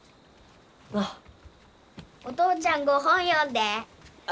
お父ちゃんご本読んで。え？